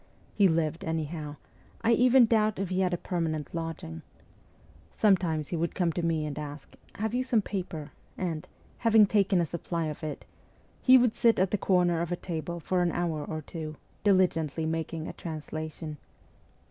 He lived anyhow ; I even doubt if he had a permanent lodging. Sometimes he would come to me and ask, ' Have you some paper?' and, having taken a supply of it, he would sit at the corner of a table for an hour or two, diligently making a translation.